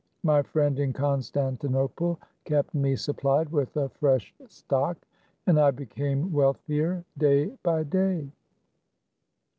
My friend in Constantinople kept me supplied with a fresh stock, and I became wealthier day by day.